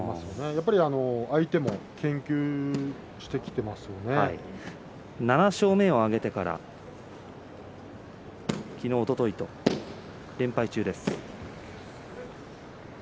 やっぱり相手も７勝目を挙げてから昨日、おとといと連敗中です。